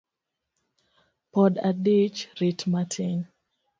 Pod adich rit matin